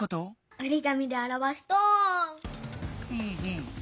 おりがみであらわすと。